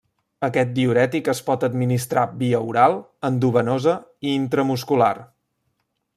Aquest diürètic es pot administrar via oral, endovenosa i intramuscular.